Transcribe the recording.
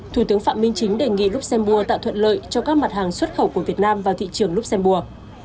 thủ tướng phạm minh chính đề nghị luxembourg tạo thuận lợi cho các mặt hàng xuất khẩu của việt nam vào thị trường luxembourg